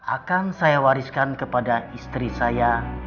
akan saya wariskan kepada istri saya